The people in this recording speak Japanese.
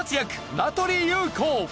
名取裕子。